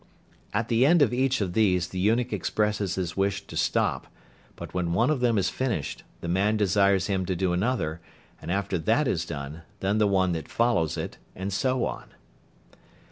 At the end of each of these the eunuch expresses his wish to stop, but when one of them is finished, the man desires him to do another, and after that is done, then the one that follows it, and so on.